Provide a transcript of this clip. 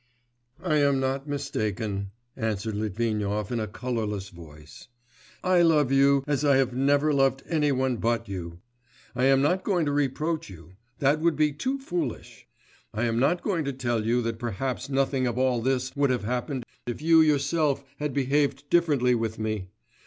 'I am not mistaken,' answered Litvinov in a colourless voice. 'I love you, as I have never loved any one but you. I am not going to reproach you; that would be too foolish; I'm not going to tell you that perhaps nothing of all this would have happened if you yourself had behaved differently with me....